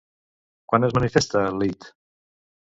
Quan es manifesta, l'Eate?